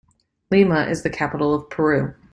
Lima is the capital of Peru.